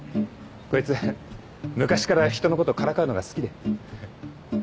こいつ昔からひとのことからかうのが好きで。